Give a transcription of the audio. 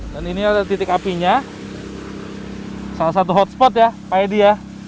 dan ini adalah titik apinya salah satu hotspot ya paya di ya